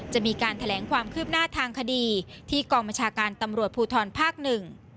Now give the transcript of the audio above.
จะมีการแถลงความคืบหน้าทางคดีที่กองบัญชาการตำรวจภูทรภาคหนึ่ง